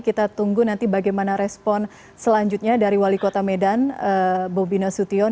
kita tunggu nanti bagaimana respon selanjutnya dari wali kota medan bobi nasution